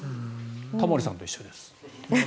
タモリさんと一緒です。